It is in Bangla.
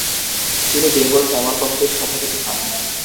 তিনি বেঙ্গল সাইমন কমিটির সভাপতি হন।